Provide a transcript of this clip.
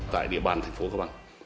tại địa bàn tp cao bằng